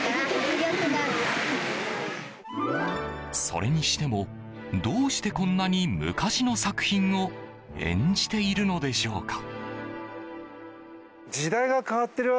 それにしてもどうしてこんなに昔の作品を演じているのでしょうか。